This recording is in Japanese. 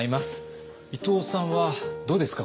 伊藤さんはどうですか？